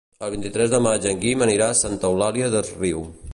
El vint-i-tres de maig en Guim anirà a Santa Eulària des Riu.